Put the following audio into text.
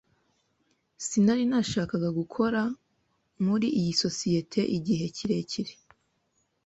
Sinari nashakaga gukora muri iyi sosiyete igihe kirekire.